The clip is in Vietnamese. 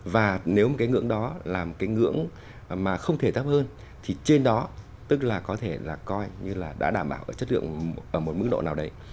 và nếu một cái ngưỡng đó là một cái ngưỡng mà không thể thấp hơn thì trên đó tức là có thể là coi như là đã đảm bảo chất lượng ở một mức độ nào đấy